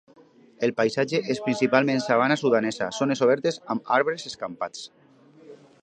El paisatge és principalment sabana sudanesa, zones obertes amb arbres escampats.